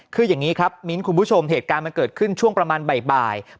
คืออย่างนี้ครับมิ้นท์คุณผู้ชมเหตุการณ์มันเกิดขึ้นช่วงประมาณบ่าย